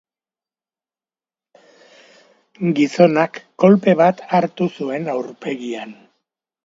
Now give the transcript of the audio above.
Gizonak kolpe bat hartu zuen aurpegian.